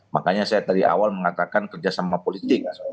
makanya saya dari awal mengatakan kerjasama politik